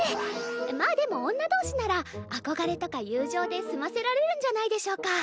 まあでも女同士なら憧れとか友情で済ませられるんじゃないでしょうか。